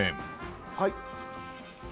はい。